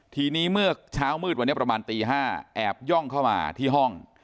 ทีนี้เมื่อเช้ามืดวันนี้ประมาณตี๕แอบย่องเข้ามาที่ห้อง